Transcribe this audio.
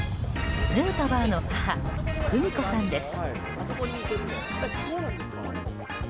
ヌートバーの母久美子さんです。